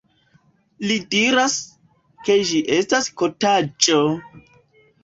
Li diras, ke ĝi estas kotaĵo!